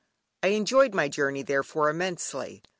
I enjoyed my journey, therefore, immensely.